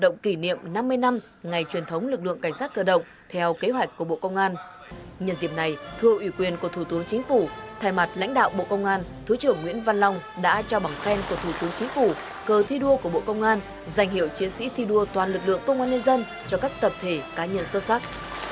năm ngày truyền thống lực lượng cảnh sát cơ động theo kế hoạch của bộ công an nhân dịp này thưa ủy quyền của thủ tướng chính phủ thay mặt lãnh đạo bộ công an thứ trưởng nguyễn văn long đã cho bằng khen của thủ tướng chính phủ cơ thi đua của bộ công an giành hiệu chiến sĩ thi đua toàn lực lượng công an nhân dân cho các tập thể cá nhân xuất sắc